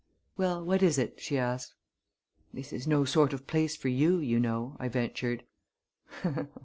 "Well, what is it?" she asked. "This is no sort of place for you, you know," I ventured.